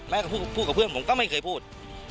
พูดกับเพื่อนผมก็ไม่เคยพูด